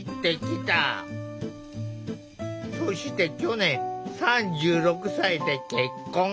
そして去年３６歳で結婚。